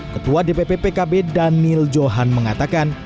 ketua dpp pkb daniel johan mengatakan